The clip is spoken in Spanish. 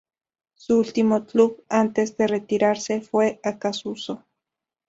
Su último club antes de retirarse fue Acassuso.